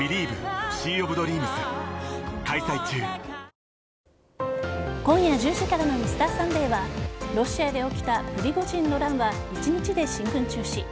続く今夜１０時からの「Ｍｒ．サンデー」はロシアで起きたプリゴジンの乱は１日で進軍中止。